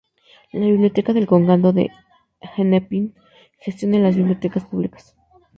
La Biblioteca del Condado de Hennepin gestiona las bibliotecas públicas.